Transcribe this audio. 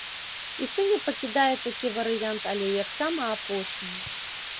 І сёння пакідае такі варыянт, але як самы апошні.